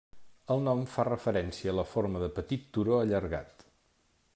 El nom fa referència a la forma de petit turó allargat.